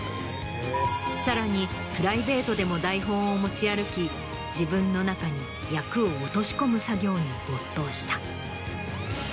さらにプライベートでも台本を持ち歩き自分の中に役を落とし込む作業に没頭した。